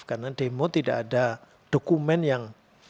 karena demo tidak ada dokumen yang